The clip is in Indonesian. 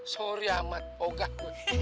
sorry ahmad enggak